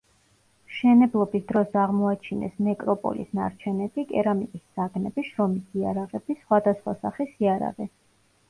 მშენებლობის დროს აღმოაჩინეს ნეკროპოლის ნარჩენები, კერამიკის საგნები, შრომის იარაღები, სხვადასხვა სახის იარაღი.